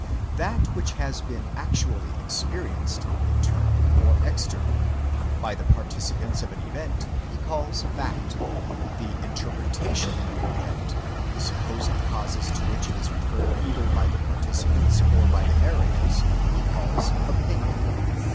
That which has been actually experi enced, internally or externally, by the participants in an event, he calls fact. The interpretation of an event, the supposed causes to which it is referred either by the participants or by the narrators, he calls opinion.